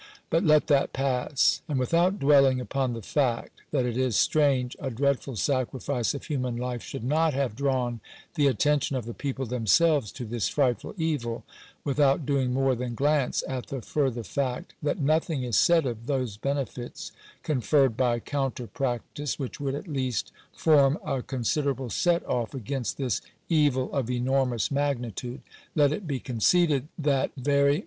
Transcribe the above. But let that pass. And without dwelling upon the fact, that it is strange a " dreadful sacrifice of human life " should not have drawn the attention of the people themselves to this " frightful evil," — without doing more than glance at the further fact, that nothing is said of those benefits conferred by "counter practice," which would at least form a considerable set off against this " evil of enormous magnitude," — let it be conceded that very Digitized by VjOOQIC 378 SANITARY SUPERVISION.